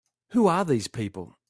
Who are these people?